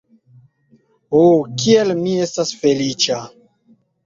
Ho, kiel mi estas feliĉa!